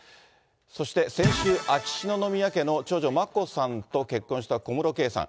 そして先週、秋篠宮家の長女、眞子さんと結婚した小室圭さん。